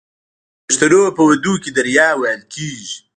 د پښتنو په ودونو کې دریا وهل کیږي.